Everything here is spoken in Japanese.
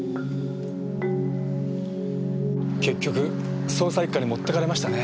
結局捜査一課に持っていかれましたね。